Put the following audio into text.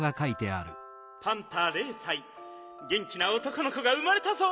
「パンタれいさいげんきな男の子がうまれたぞ！